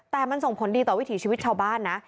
แต่มันส่งผลดีต่อวิถีชีวิตชาวบ้านนะ